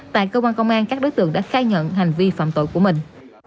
tại cơ quan công an các đối tượng đã khai nhận hành vi phạm tội của mình